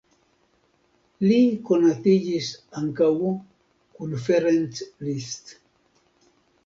Li konatiĝis ankaŭ kun Ferenc Liszt.